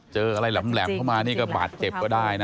เจออะไรแหลมเข้ามานี่ก็บาดเจ็บก็ได้นะ